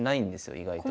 意外と。